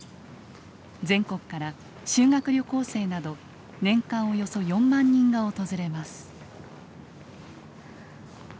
全国から修学旅行生など年間およそ４万人が訪れます。